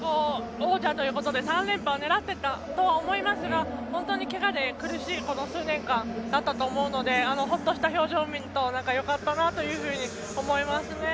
王者ということで３連覇を狙ってたと思いますが本当にけがで苦しい数年間だったと思うのでほっとした表情を見るとよかったなというふうに思いますね。